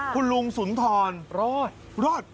คุณลุงสุนทรรอด